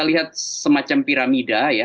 kita lihat semacam piramida ya